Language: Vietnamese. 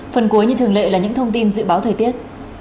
phần cuối như thường lệ là những thông tin dự báo thời tiết